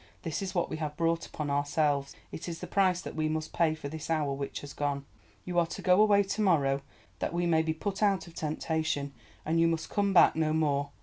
This is what we have brought upon ourselves, it is the price that we must pay for this hour which has gone. You are to go away to morrow, that we may be put out of temptation, and you must come back no more.